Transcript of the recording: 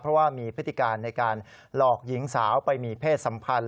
เพราะว่ามีพฤติการในการหลอกหญิงสาวไปมีเพศสัมพันธ์